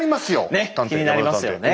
ねっ気になりますよね。